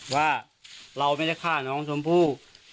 ว่าเราไม่จะฆ่าน้องศมภู